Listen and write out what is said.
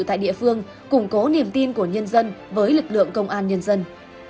tại địa phương củng cố niềm tin của nhân dân với lực lượng công an nhân dân